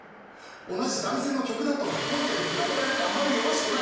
同じ男性の曲だと本家と比べられてあまりよろしくない。